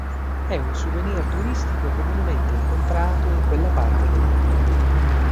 È un souvenir turistico comunemente incontrato in quella parte del mondo.